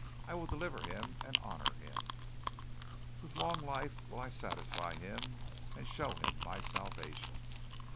I will deliver him and honor him. "With long life will I satisfy him, and show him my salvation."